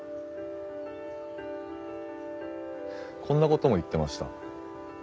こんなことも言ってました。